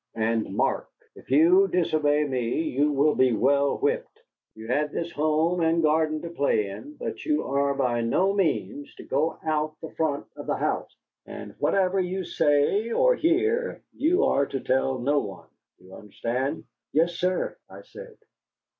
And mark! if you disobey me, you will be well whipped. You have this house and garden to play in, but you are by no means to go out at the front of the house. And whatever you may see or hear, you are to tell no one. Do you understand?" "Yes, sir," I said.